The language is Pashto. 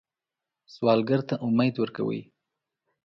سوالګر ته امید ورکوئ